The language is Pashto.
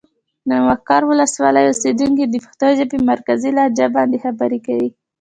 د مقر ولسوالي اوسېدونکي د پښتو ژبې مرکزي لهجه باندې خبرې کوي.